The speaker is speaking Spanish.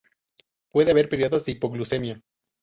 Puede haber periodos de hipoglucemia.